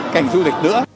cảnh du lịch nữa